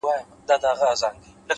ډبري غورځوې تر شا لاسونه هم نیسې!!